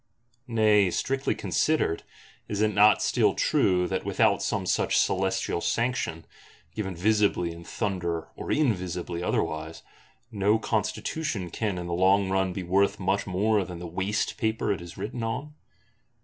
Nay, strictly considered, is it not still true that without some such celestial sanction, given visibly in thunder or invisibly otherwise, no Constitution can in the long run be worth much more than the waste paper it is written on?